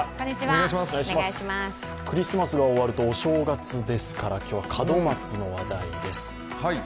クリスマスが終わるとお正月ですから、今日は門松の話題です。